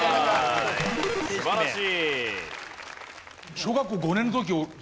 素晴らしい。